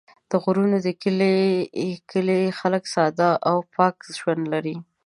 د غرونو د کلي خلک ساده او پاک ژوند لري.